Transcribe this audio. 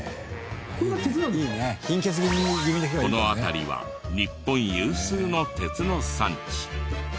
この辺りは日本有数の鉄の産地。